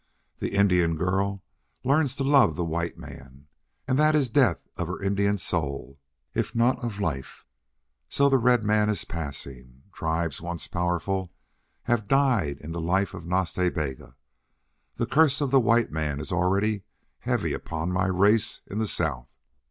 The Indian girl learns to love the white man and that is death of her Indian soul, if not of life. "So the red man is passing. Tribes once powerful have died in the life of Nas Ta Bega. The curse of the white man is already heavy upon my race in the south.